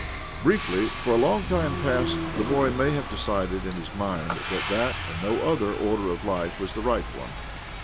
Briefly, for a long time past the boy may have decided in his mind that that, and no other, order of life was the right one.